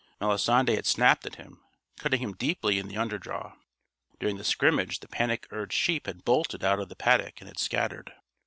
Melisande had snapped at him, cutting him deeply in the underjaw. During the scrimmage the panic urged sheep had bolted out of the paddock and had scattered.